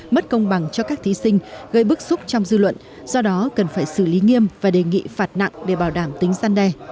mất công bằng cho các thí sinh gây bức xúc trong dư luận do đó cần phải xử lý nghiêm và đề nghị phạt nặng để bảo đảm tính gian đe